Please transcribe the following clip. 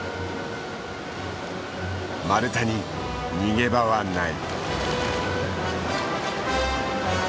マルタに逃げ場はない。